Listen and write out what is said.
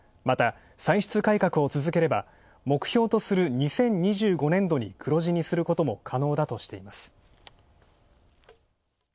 また、歳出改革を続ければ目標とする２０２５年度に黒字にすることも可能だとしています。